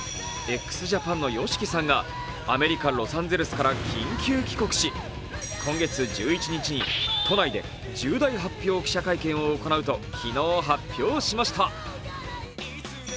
ＸＪＡＰＡＮのＹＯＳＨＩＫＩさんがアメリカ・ロサンゼルスから緊急帰国し、今月１１日、都内で重大発表記者会見を行うと昨日発表しました。